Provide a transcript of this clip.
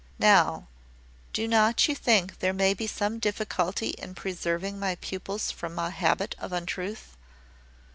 Now, do not you think there may be some difficulty in preserving my pupils from a habit of untruth?"